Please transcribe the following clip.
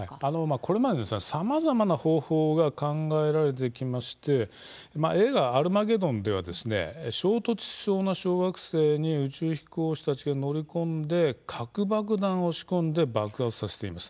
これまでさまざまな方法が考えられてきまして映画「アルマゲドン」では衝突しそうな小惑星に宇宙飛行士たちが乗り込んで核爆弾を仕込んで爆発させています。